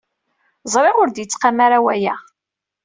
Ẓriɣ ur d-yettqam ara waya.